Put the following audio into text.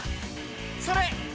それ！